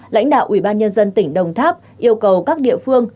lãnh đạo ủy ban nhân dân tỉnh đồng tháp yêu cầu các địa phương